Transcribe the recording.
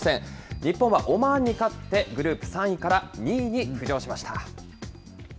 日本はオマーンに勝って、グループ３位から２位に浮上しました。